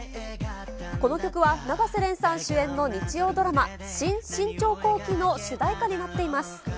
この曲は永瀬廉さん主演の日曜ドラマ、新・信長公記の主題歌になっています。